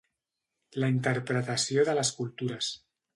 La interpretació de les cultures.